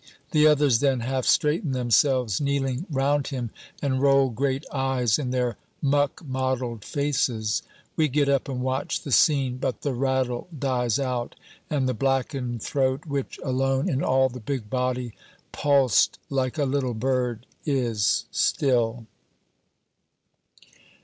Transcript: The others then half straighten themselves, kneeling round him, and roll great eyes in their muck mottled faces. We get up and watch the scene. But the rattle dies out, and the blackened throat which alone in all the big body pulsed like a little bird, is still.